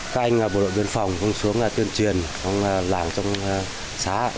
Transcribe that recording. các anh bộ đội biên phòng không xuống tuyên truyền không làm trong xã